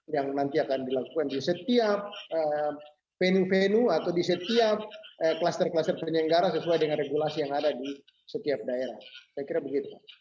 yang nanti akan dilakukan di setiap venue atau di setiap kluster kluster penyelenggaraan sesuai dengan regulasi yang ada di setiap daerah